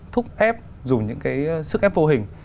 thúc ép dùng những cái sức ép phô hình